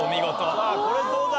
さあこれどうだ？